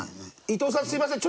伊藤さんすみません